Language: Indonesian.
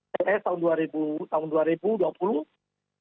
tps tahun dua ribu dua puluh